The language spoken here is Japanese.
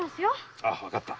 〔ああわかった。